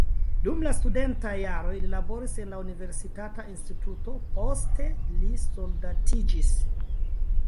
Dum la studentaj jaroj li laboris en la universitata instituto, poste li soldatiĝis.